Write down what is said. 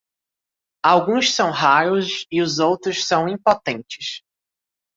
Alguns são raros e os outros são impotentes.